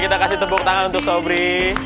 kita kasih tepuk tangan untuk sobri